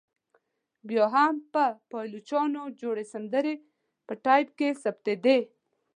بیا هم پر پایلوچانو جوړې سندرې په ټایپ کې ثبتېدې.